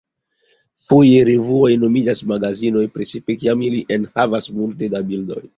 Foje revuoj nomiĝas "magazinoj", precipe kiam ili enhavas multe da bildoj.